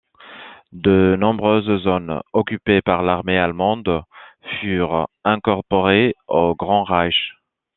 De nombreuses zones occupées par l'armée allemande furent incorporées au Grand Reich.